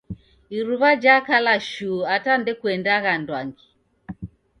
Iruw'a jakala shuu ata ndekuendagha anduangi